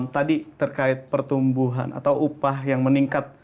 tadi terkait pertumbuhan atau upah yang meningkat